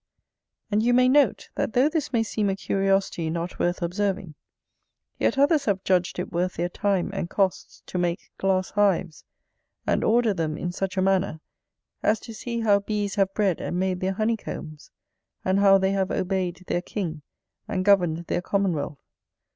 And you may note, that though this may seem a curiosity not worth observing, yet others have judged it worth their time and costs to make glass hives, and order them in such a manner as to see how bees have bred and made their honeycombs, and how they have obeyed their king, and governed their commonwealth.